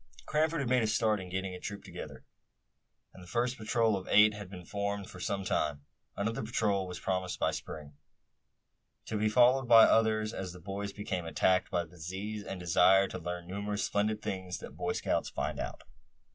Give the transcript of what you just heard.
Cranford had made a start in getting a troop together, and the first patrol of eight had been formed for some time. Another patrol was promised by Spring, to be followed by others as the boys became attacked by the disease, and a desire to learn the numerous splendid things that Boy Scouts find out.